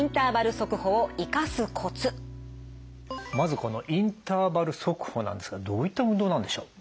まずこのインターバル速歩なんですがどういったものなんでしょう？